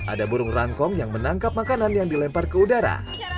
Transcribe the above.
ada burung rangkong yang menangkap makanan yang dilempar ke udara